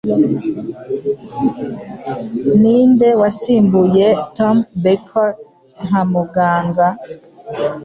Ninde wasimbuye Tom Baker nka Muganga?